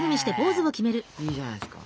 いいじゃないですか。